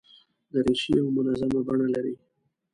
دریشي یو منظمه بڼه لري.